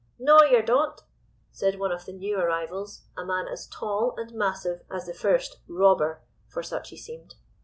"'No, yer don't!' said one of the new arrivals, a man as tall and massive as the first 'robber' (for such he seemed).